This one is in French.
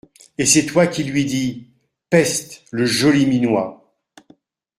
Et c’est toi qui lui dis : Peste ! le joli minois !